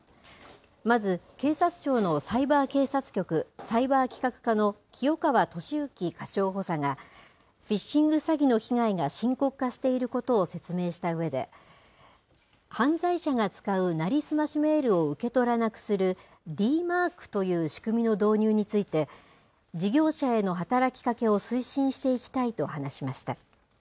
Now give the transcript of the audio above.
まず、警察庁のサイバー警察局サイバー企画課の清川敏幸課長補佐が、フィッシング詐欺の被害が深刻化していることを説明したうえで、犯罪者が使う成り済ましメールを受け取らなくする、ＤＭＡＲＣという仕組みの導入について、事業者への働きかけを推進していきたいと話しました。